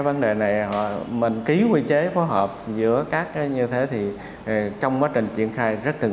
vấn đề này họ mình ký quy chế phối hợp giữa các như thế thì trong quá trình triển khai rất thường